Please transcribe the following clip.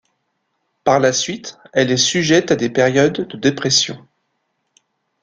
Par la suite, elle est sujette à des périodes de dépressions.